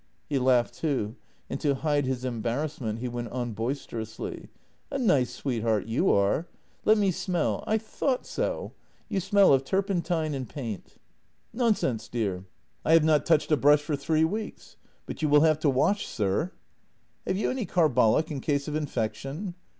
He laughed too, and to hide his embarrassment, he went on boisterously: "A nice sweetheart you are. Let me smell: I thought so — you smell of turpentine and paint." no JENNY " Nonsense, dear; I have not touched a brush for three weeks. But you will have to wash, sir." " Have you any carbolic, in case of infection?